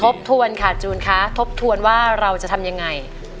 บทวนค่ะจูนคะทบทวนว่าเราจะทำยังไง